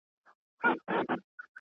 چي کړي ډک د مځکي مخ له مخلوقاتو